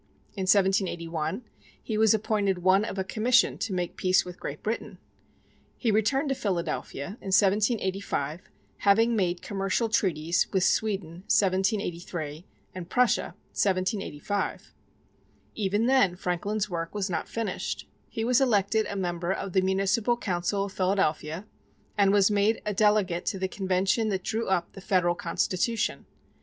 In 1781, he was appointed one of a commission to make peace with Great Britain. He returned to Philadelphia in 1785, having made commercial treaties with Sweden (1783) and Prussia (1785). Even then, Franklin's work was not finished. He was elected a member of the municipal council of Philadelphia, and was made a delegate to the Convention that drew up the Federal Constitution.